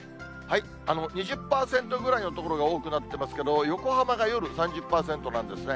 ２０％ぐらいの所が多くなってますけど、横浜が夜３０％なんですね。